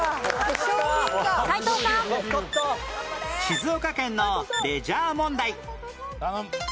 静岡県のレジャー問題頼む。